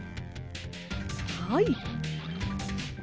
はい。